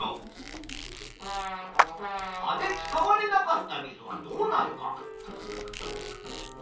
葉で使われなかった水はどうなるか。